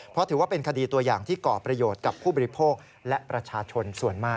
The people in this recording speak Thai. เพราะถือว่าเป็นคดีตัวอย่างที่ก่อประโยชน์กับผู้บริโภคและประชาชนส่วนมาก